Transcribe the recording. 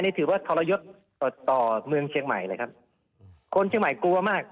นี่ถือว่าทรยศต่อต่อเมืองเชียงใหม่เลยครับคนเชียงใหม่กลัวมาก